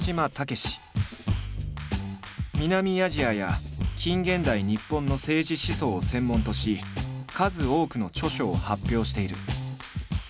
南アジアや近現代日本の政治思想を専門とし数多くの著書を発表している。